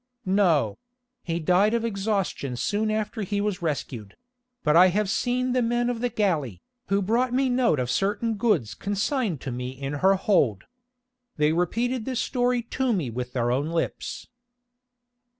"No; he died of exhaustion soon after he was rescued; but I have seen the men of the galley, who brought me note of certain goods consigned to me in her hold. They repeated this story to me with their own lips."